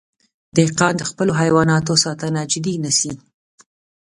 دهقان د خپلو حیواناتو ساتنه جدي نیسي.